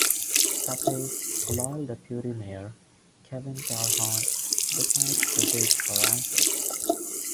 Pappas' loyal deputy mayor, Kevin Calhoun, decides to dig for answers.